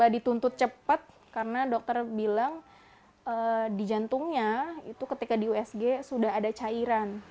dituntut cepat karena dokter bilang di jantungnya itu ketika di usg sudah ada cairan